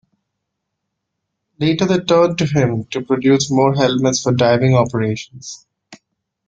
Later they turned to him to produce more helmets for diving operations.